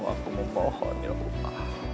aku memohon ya allah